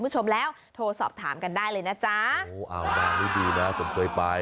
สวยงามมาก